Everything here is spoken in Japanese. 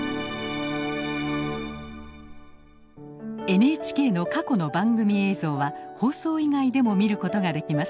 ＮＨＫの過去の番組映像は放送以外でも見ることができます